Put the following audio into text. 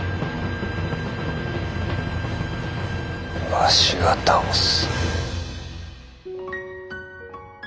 わしが倒す。